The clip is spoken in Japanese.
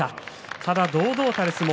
ただ堂々たる相撲。